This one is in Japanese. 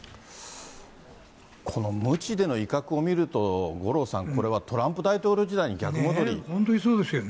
このむちでのいかくを見ると、五郎さん、これはトランプ大統領本当にそうですよね。